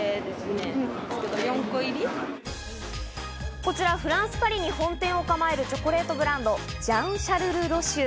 こちらフランス・パリに本店を構えるチョコレートブランド、ジャン＝シャルル・ロシュー。